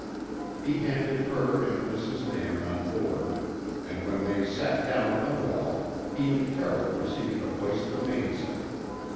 He handed her and Mrs. Nairn on board and when they sat down in the well, he and Carroll proceeded to hoist the mainsail.